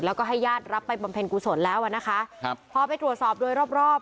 แล้วก็ให้ญาติรับไปบำเพ็ญกุศลแล้วอ่ะนะคะครับพอไปตรวจสอบโดยรอบรอบ